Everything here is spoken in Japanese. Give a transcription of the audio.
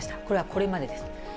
これはこれまでです。